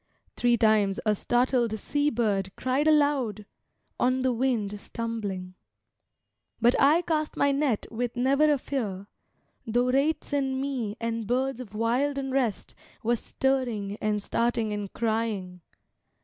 Three times a startled sea bird cried aloud, On the wind stumbling. But I cast my net with never a fear, tho wraiths in me And birds of wild unrest were stirring and starting and crying.